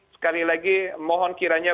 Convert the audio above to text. sekali lagi mohon kiranya